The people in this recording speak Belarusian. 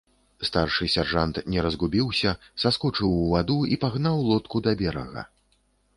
Старшы сяржант не разгубіўся, саскочыў у ваду і пагнаў лодку да берага.